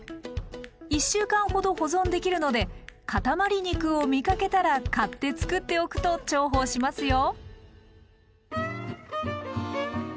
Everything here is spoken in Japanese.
１週間ほど保存できるので塊肉を見かけたら買ってつくっておくと重宝しますよ。